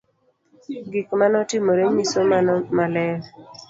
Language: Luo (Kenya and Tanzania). Gik ma notimore nyiso mano maler